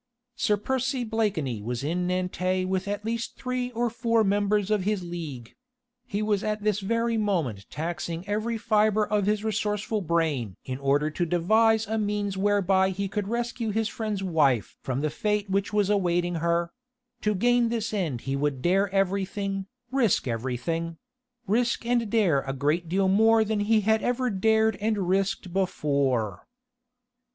Sir Percy Blakeney was in Nantes with at least three or four members of his League: he was at this very moment taxing every fibre of his resourceful brain in order to devise a means whereby he could rescue his friend's wife from the fate which was awaiting her: to gain this end he would dare everything, risk everything risk and dare a great deal more than he had ever dared and risked before.